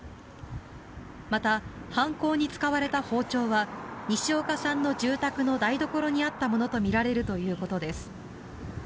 また、犯行に使われた包丁は西岡さんの住宅の台所にあったものとみられるということです。